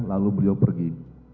lalu beliau pergi